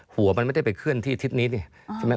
หัวมันไม่ได้ไปเคลื่อนที่ทิศนี้ใช่ไหม